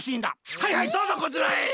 はいはいどうぞこちらへ！